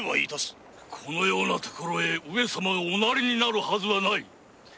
このようなところへ上様が御成になるはずはない。